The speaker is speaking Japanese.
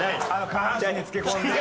下半身につけ込んで。